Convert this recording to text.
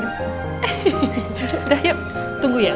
udah yuk tunggu ya